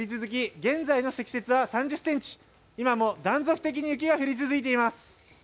現在の積雪は３０ｃｍ、今も断続的に雪が降り続いています。